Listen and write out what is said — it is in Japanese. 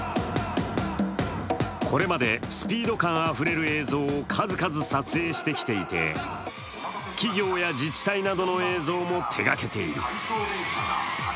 これまでスピード感あふれる映像を数々撮影してきていて、企業や自治体などの映像も手がけている。